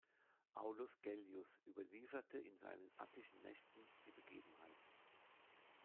Aulus Gellius überlieferte in seinen "Attischen Nächten" die Begebenheit.